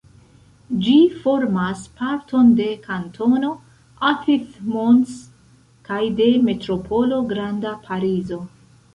Ĝi formas parton de kantono Athis-Mons kaj de Metropolo Granda Parizo.